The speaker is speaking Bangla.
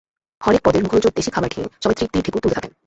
হরেক পদের মুখরোচক দেশি খাবার খেয়ে সবাই তৃপ্তির ঢেকুর তুলতে থাকেন।